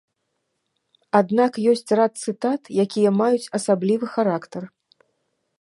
Аднак ёсць рад цытат, якія маюць асаблівы характар.